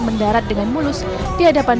mendarat dengan mulus di hadapan